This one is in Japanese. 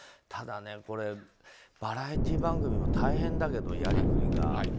ただ、バラエティー番組も大変だけど、やりくりが。